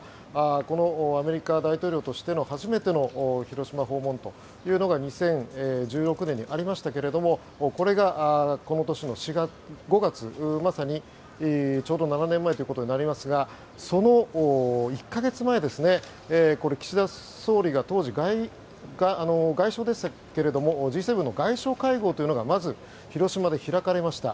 このアメリカ大統領としての初めての広島訪問というのが２０１６年にありましたがこれがこの年の５月まさにちょうど７年前となりますがその１か月前岸田総理が当時外相でしたけれどもＧ７の外相会合というのがまず広島で開かれました。